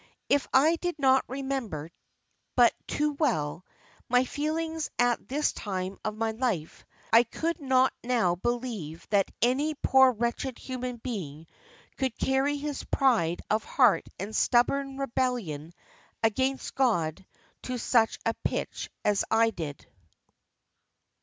If I did not remember, but too well, my feelings at this time of my life, I could not now believe that any poor wretched human being could carry his pride of heart and stubborn rebellion against God to such a pitch as I did.